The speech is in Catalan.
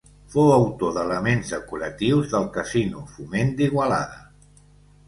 Fou autor d'elements decoratius del Casino Foment d'Igualada.